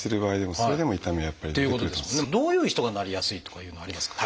どういう人がなりやすいとかいうのはありますか？